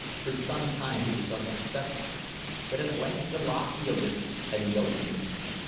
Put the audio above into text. For some time he was unsuccessful, but at length the lock yielded and he opened it.